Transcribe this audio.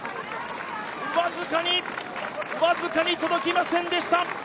僅かに僅かに届きませんでした。